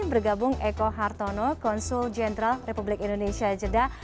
bergabung eko hartono konsul jenderal republik indonesia jeddah